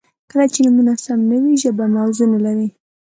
• کله چې نومونه سم نه وي، ژبه موضوع نهلري.